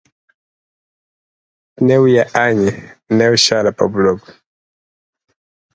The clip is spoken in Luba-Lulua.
Newuye anyi ne ushale pa buloba.